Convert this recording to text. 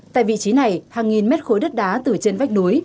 tại vị trí này hàng nghìn mét khối đất đá từ trên vách núi